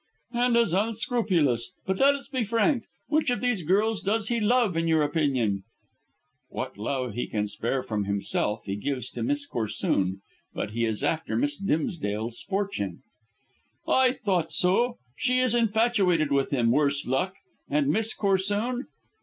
"And as unscrupulous. But let us be frank. Which of these girls does he love, in your opinion?" "What love he can spare from himself he gives to Miss Corsoon; but he is after Miss Dimsdale's fortune." "I thought so. She is infatuated with him, worse luck. And Miss Corsoon?"